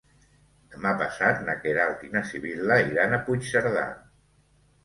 Demà passat na Queralt i na Sibil·la iran a Puigcerdà.